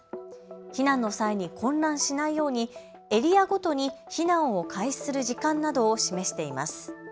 避難の際に混乱しないようにエリアごとに避難を開始する時間などを示しています。